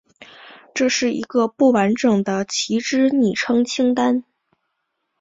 这是一个不完整的旗帜昵称清单。